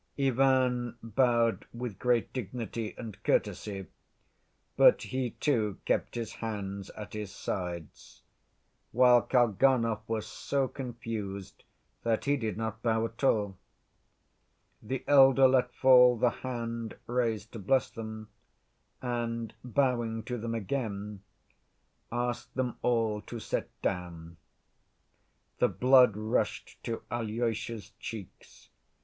Ivan bowed with great dignity and courtesy, but he too kept his hands at his sides, while Kalganov was so confused that he did not bow at all. The elder let fall the hand raised to bless them, and bowing to them again, asked them all to sit down. The blood rushed to Alyosha's cheeks.